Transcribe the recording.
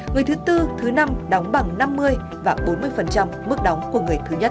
người thứ tư thứ năm đóng bằng năm mươi và bốn mươi mức đóng của người thứ nhất